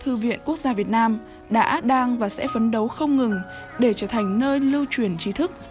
thư viện quốc gia việt nam đã đang và sẽ phấn đấu không ngừng để trở thành nơi lưu truyền trí thức